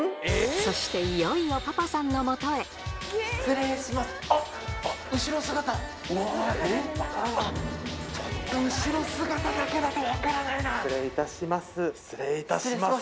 そして、いよいよパパさんの失礼します。